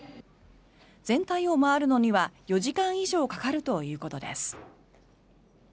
全体を回るのには４時間以上かかるということです。